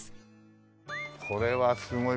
これはすごい。